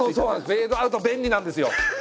フェードアウト便利なんですよ。